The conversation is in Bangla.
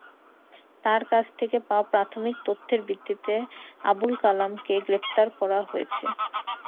তাঁর কাছ থেকে পাওয়া প্রাথমিক তথ্যের ভিত্তিতে আবুল কালামকে গ্রেপ্তার করা হয়েছে।